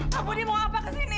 pak budi mau apa ke sini